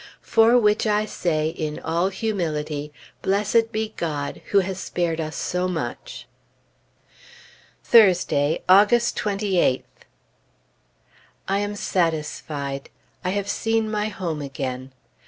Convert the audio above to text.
For which I say in all humility, Blessed be God who has spared us so much. Thursday, August 28th. I am satisfied. I have seen my home again.